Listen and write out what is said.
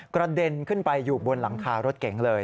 กระเด็นขึ้นไปอยู่บนหลังคารถเก๋งเลย